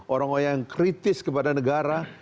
orang orang yang kritis kepada negara